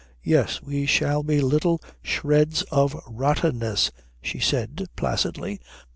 "Yes, we shall be little shreds of rottenness," she said placidly.